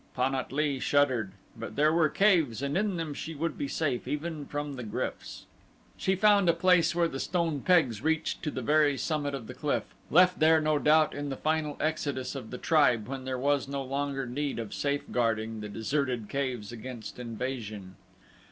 Pan at lee shuddered; but there were caves and in them she would be safe even from the gryfs. She found a place where the stone pegs reached to the very summit of the cliff, left there no doubt in the final exodus of the tribe when there was no longer need of safeguarding the deserted caves against invasion.